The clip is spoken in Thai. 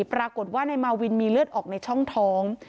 ปรากฏว่านายมาวินมีเลือดออกในช่องท้อง